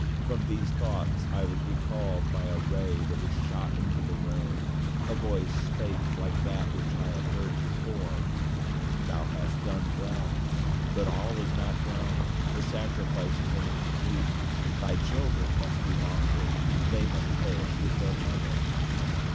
From these thoughts I was recalled by a ray that was shot into the room. A voice spake like that which I had before heard: "Thou hast done well. But all is not done the sacrifice is incomplete thy children must be offered they must perish with their mother!